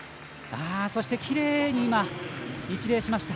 そしてきれいに今一礼しました。